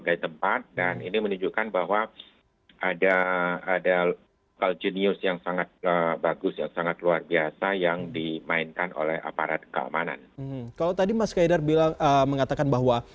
dan selama ini memang tidak ada yang mengatakan bahwa ini adalah hal yang tidak bisa dilakukan